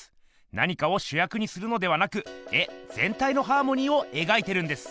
何かをしゅやくにするのではなく絵ぜんたいのハーモニーを描いてるんです！